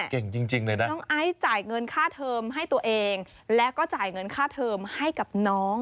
เก่งจริงเลยนะน้องไอซ์จ่ายเงินค่าเทอมให้ตัวเองแล้วก็จ่ายเงินค่าเทอมให้กับน้อง